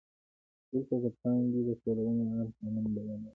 دلته د پانګې د ټولونې عام قانون بیانوو